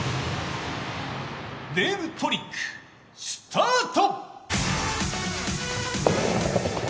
レールトリック、スタート！